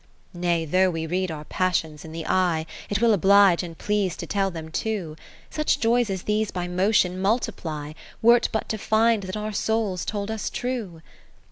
IX Nay though we read our passions in the eye, It will oblige and please to tell them too : Such joys as these by motion multiply, Were 't but to find that our souls told us true.